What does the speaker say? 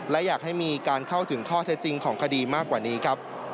และอยากให้มีการเข้าถึงข้อเท็จจริงของคดีมากกว่านี้ครับ